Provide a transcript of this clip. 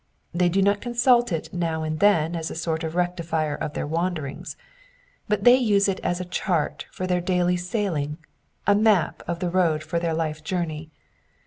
They do not consult it now and then as a sort of rectifier of their wander ings, but they use it as a chart for their daily sailing, a map of the road for their life journey.